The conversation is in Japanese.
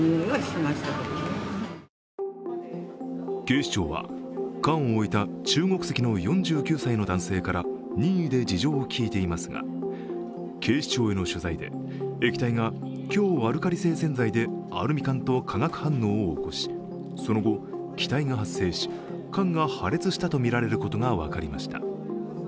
警視庁は、缶を置いた中国籍の４９歳の男性から任意で事情を聞いていますが警視庁への取材で、液体が強アルカリ性洗剤でアルミ缶と化学反応を起こしその後、気体が発生し缶が破裂したとみられることが分かりました。